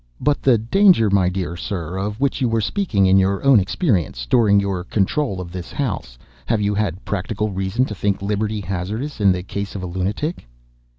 "But the danger, my dear sir, of which you were speaking, in your own experience—during your control of this house—have you had practical reason to think liberty hazardous in the case of a lunatic?"